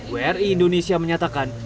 wri indonesia menyatakan